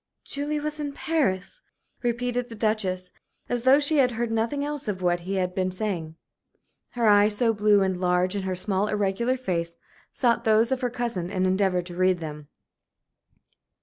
"Julie was in Paris?" repeated the Duchess, as though she had heard nothing else of what he had been saying. Her eyes, so blue and large in her small, irregular face, sought those of her cousin and endeavored to read them.